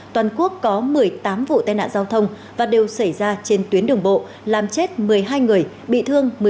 toàn quốc có một mươi tám vụ tai nạn giao thông và đều xảy ra trên tuyến đường bộ làm chết một mươi hai người bị thương